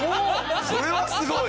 それはすごい！